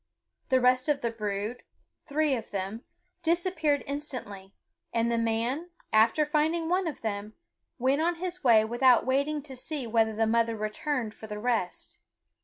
The rest of the brood, three of them, disappeared instantly; and the man, after finding one of them, went on his way without waiting to see whether the mother returned for the rest.